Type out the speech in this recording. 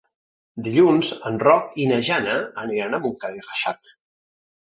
Dilluns en Roc i na Jana aniran a Montcada i Reixac.